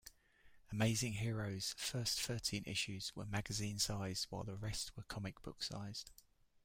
"Amazing Heroes"' first thirteen issues were magazine-sized, while the rest were comic book-sized.